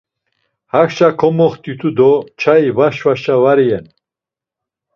Hakşa komoxt̆itu do çai va şvaşa var iyen.